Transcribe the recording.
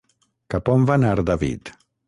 Cap on va anar David?